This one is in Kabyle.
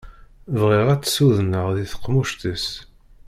Bɣiɣ ad tt-sudneɣ di tqemmuct-is.